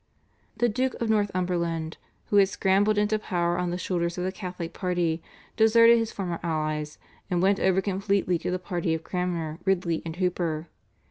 The Duke of Northumberland, who had scrambled into power on the shoulders of the Catholic party, deserted his former allies, and went over completely to the party of Cranmer, Ridley, and Hooper.